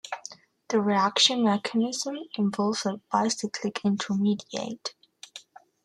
The reaction mechanism involves a bicyclic intermediate.